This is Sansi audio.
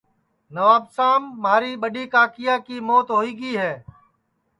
نوابشام مھاری ٻڈؔی کاکایا کی موت ہوئی گی ہے